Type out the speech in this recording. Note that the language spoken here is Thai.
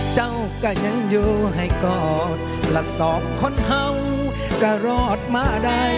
ก็ยังอยู่ให้กอดละสองคนเห่าก็รอดมาได้